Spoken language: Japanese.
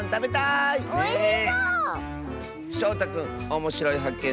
しょうたくんおもしろいはっけん